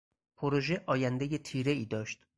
پروژه آیندهی تیرهای داشت.